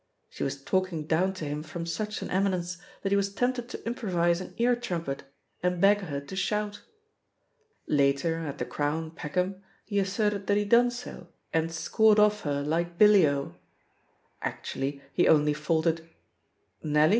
She was talking down to him from such an eminence that he was tempted to improvise an ear trum pet, and beg her to shout. Later, at the Crown, Feckham, he asserted that he had done so and "scored ofi^ her like billy oh I" Actually, he only faltered " *Nelly'?"